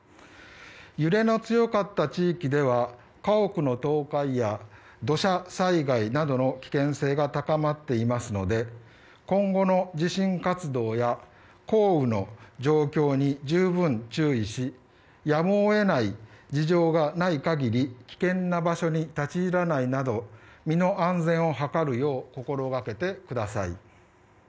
揺れの強かった地域では家屋の倒壊や土砂災害などの危険性が高まっていますので今後の地震活動や降雨の状況に十分注意しやむを得ない事情がない限り危険な場所に立ち入らないなど身の安全を図るよう心がけてください。